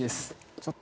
ちょっと。